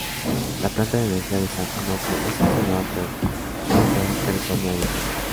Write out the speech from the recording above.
La Planta de energía de San Onofre es gestionada por Southern California Edison.